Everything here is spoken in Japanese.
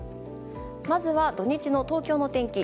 まずは土日の東京の天気。